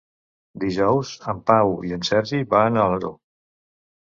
Dijous en Pau i en Sergi van a Alaró.